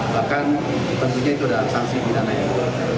bahkan tentunya itu adalah sanksi binatang